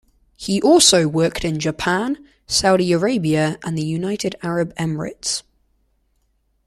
He also worked in Japan, Saudi Arabia and the United Arab Emirates.